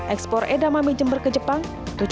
ekspor edamame jember ke jepang